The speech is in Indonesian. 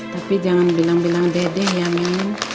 tapi jangan bilang bilang dede ya amin